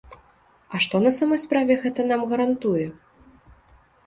А што на самой справе гэта нам гарантуе?